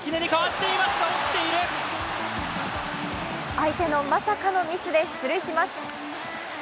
相手のまさかのミスで出塁します。